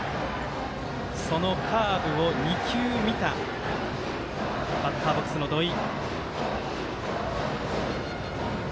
そのカーブを２球見たバッターボックスの土井。